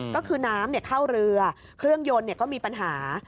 ก็คือน้ำเข้าเรือเครื่องยนต์ก็มีปัญหา